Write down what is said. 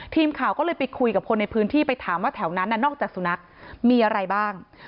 ทีมข่าวก็เลยไปคุยกับคนในพื้นที่ไปถามว่าแถวนั้นนอกจากสุนัขมีอะไรบ้าง